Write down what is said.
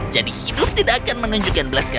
jadi hidup tidak akan menunjukkan kebahagiaan